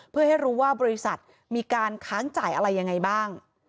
เพื่อให้รู้ว่าบริษัทมีการค้างจ่ายอะไรยังไงบ้าง